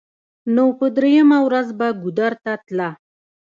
نو په درېمه ورځ به ګودر ته تله.